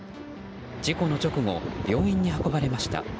事故の直後病院に運ばれました。